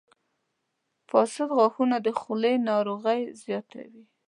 • فاسد غاښونه د خولې ناروغۍ زیاتوي.